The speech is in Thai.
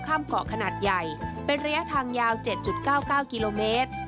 ข้ามเกาะขนาดใหญ่เป็นระยะทางยาว๗๙๙กิโลเมตร